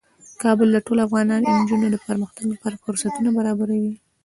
کابل د ټولو افغان نجونو د پرمختګ لپاره فرصتونه برابروي.